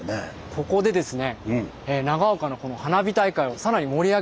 ここでですねはい。